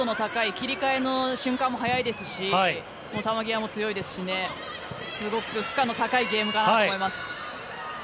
切り替えの瞬間も早いですし球際も強いですしすごく負荷の高いゲームかなと思います。